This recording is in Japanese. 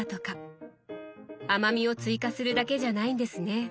甘みを追加するだけじゃないんですね。